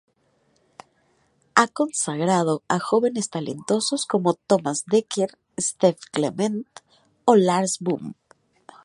Ha consagrado a jóvenes talentos como Thomas Dekker, Stef Clement o Lars Boom.